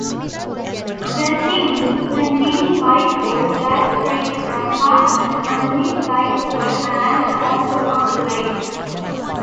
The seams containing Bideford Black Stretch from Hartland, underneath Bideford, and onto Umberleigh.